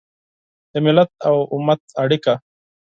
د ملت او امت اړیکه